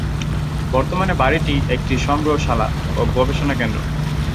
বর্তমানে বাড়িটি একটি সংগ্রহশালা ও গবেষণা কেন্দ্র।